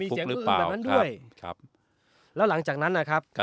ฟุกหรือเปล่าครับแล้วหลังจากนั้นนะครับก็